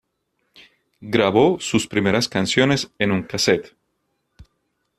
Grabó sus primeras canciones en un casete.